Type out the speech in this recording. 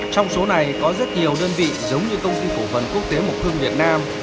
trong số này có rất nhiều đơn vị giống như công ty cổ phần quốc tế mộc thương việt nam